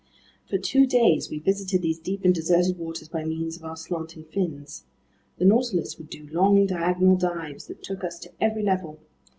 For two days we visited these deep and deserted waters by means of our slanting fins. The Nautilus would do long, diagonal dives that took us to every level.